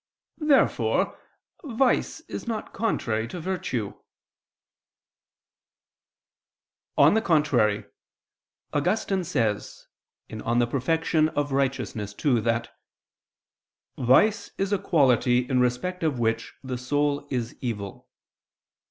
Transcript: Therefore vice is not contrary to virtue. On the contrary, Augustine says (De Perfect. Justit. ii) that "vice is a quality in respect of which the soul is evil."